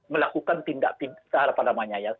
melakukan tindak pidana